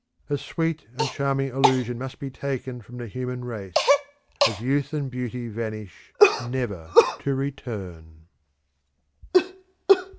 A sweet and charming illusion must be taken from the human race, as youth and beauty vanish never to return.